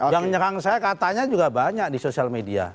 yang nyerang saya katanya juga banyak di sosial media